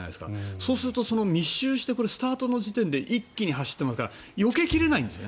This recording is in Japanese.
そうすると密集してスタートの時点で一気に走っていますからよけ切れないんですね。